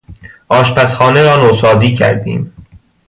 آشپزخانه را نوسازی کردیم.